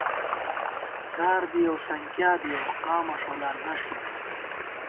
زاربِیَؤ سنکِیابِیَؤ ، قامہ ݭولال نݭ کېرون